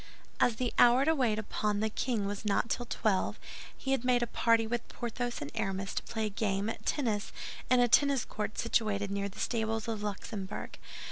As the hour to wait upon the king was not till twelve, he had made a party with Porthos and Aramis to play a game at tennis in a tennis court situated near the stables of the Luxembourg.